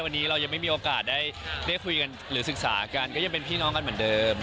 วันนี้เรายังไม่มีโอกาสได้คุยกันหรือศึกษากันก็ยังเป็นพี่น้องกันเหมือนเดิม